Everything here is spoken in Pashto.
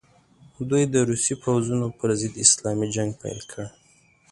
دوی د روسي پوځونو پر ضد اسلامي جنګ پیل کړي.